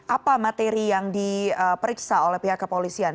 apa materi yang diperiksa oleh pihak kepolisian